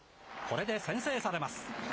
これで先制されます。